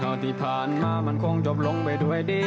แล้วนี้มันความจอบลงไปด้วยดี